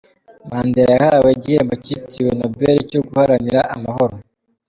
Mandela yahawe igihembo cyitiriwe Nobel cyo guharanira amahoro.